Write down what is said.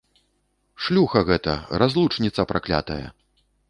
Шлюха гэта, разлучніца праклятая!